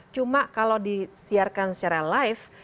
cuma kalau disiarkan secara live